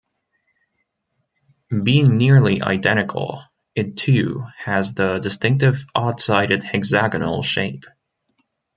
Being nearly identical, it too has the distinctive odd-sided hexagonal shape.